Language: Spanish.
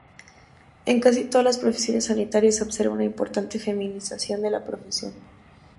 En casi todas las profesiones sanitarias se observa una importante feminización de la profesión.